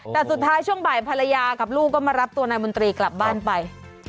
แต่สุดท้ายช่วงบ่ายภรรยากับลูกก็มารับตัวนายมนตรีกลับบ้านไป